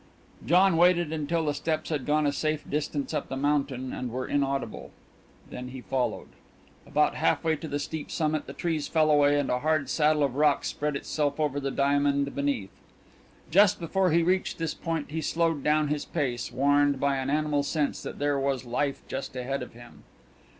John waited until the steps had gone a safe distance up the mountain and were inaudible. Then he followed. About half way to the steep summit the trees fell away and a hard saddle of rock spread itself over the diamond beneath. Just before he reached this point he slowed down his pace, warned by an animal sense that there was life just ahead of him.